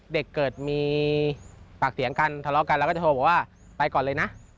เด็กเกิดมีปากเสียงกันทะเลาะกันเราก็จะโทรบอกว่าไปก่อนเลยนะ